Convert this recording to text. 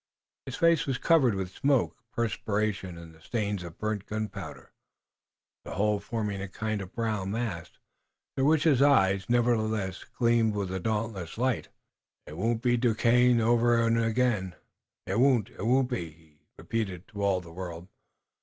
His face was covered with smoke, perspiration and the stains of burned gunpowder, the whole forming a kind of brown mask, through which his eyes, nevertheless, gleamed with a dauntless light. "It won't be Duquesne over again! It won't be! It won't be!" he repeated to all the world.